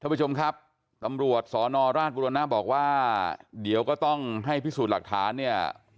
ผู้ชมครับตำรวจสนราชบุรณะบอกว่าเดี๋ยวก็ต้องให้พิสูจน์หลักฐานเนี่ย